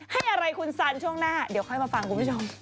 ให้อะไรคุณสันช่วงหน้าเดี๋ยวค่อยมาฟังคุณผู้ชม